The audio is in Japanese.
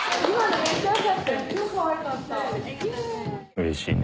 うれしいね。